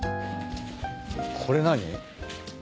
これ何？